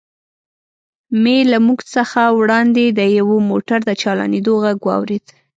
مې له موږ څخه وړاندې د یوه موټر د چالانېدو غږ واورېد.